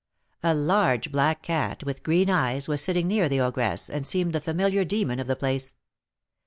A large black cat, with green eyes, was sitting near the ogress, and seemed the familiar demon of the place.